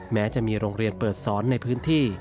แม้จะมีโรงเรียนเปิดสอนในพื้นที่